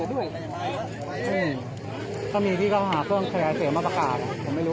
ผมก็มีพี่อ๋อหาเพื่อนแพทย์เปลี่ยนมาประกาศอ่ะผมไม่รู้